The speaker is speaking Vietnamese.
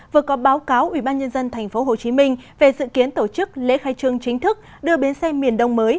vừa có báo cáo ubnd tp hcm về dự kiến tổ chức lễ khai trương chính thức đưa bến xe miền đông mới